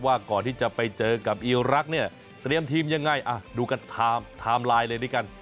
ว่าก่อนที่จะไปเจอกับอีรักษ์เนี่ยเตรียมทีมยังไงดูกันไทม์ไลน์เลยด้วยกัน